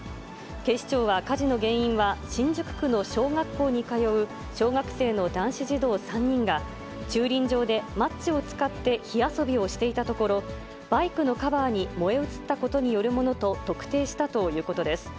警視庁は、火事の原因は新宿区の小学校に通う小学生の男子児童３人が、駐輪場でマッチを使って火遊びをしていたところ、バイクのカバーに燃え移ったことによるものと特定したということです。